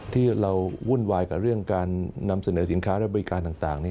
ที่เราวุ่นวายกับเรื่องการนำเสนอสินค้าและบริการต่าง